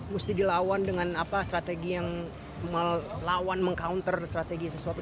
mesti dilawan dengan strategi yang melawan meng counter strategi sesuatu